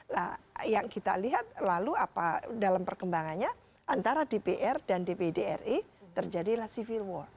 nah yang kita lihat lalu apa dalam perkembangannya antara dpr dan dpd ri terjadilah civil war